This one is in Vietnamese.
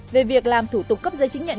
về việc làm thủ tục cấp giấy chứng nhận